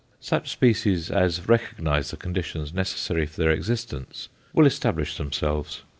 Such species as recognize the conditions necessary for their existence will establish themselves.